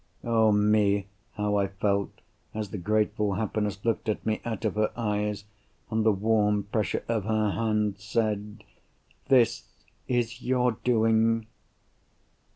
Oh me, how I felt, as the grateful happiness looked at me out of her eyes, and the warm pressure of her hand said, "This is your doing!"